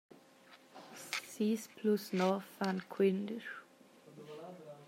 Sis plus nov fan quendisch.